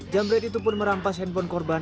jambret itu pun merampas handphone korban